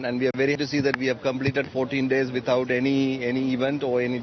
dan kami sangat senang melihat bahwa kami telah menyelesaikan empat belas hari tanpa ada acara atau penyakit